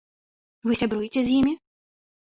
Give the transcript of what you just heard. Вы сябруеце з імі?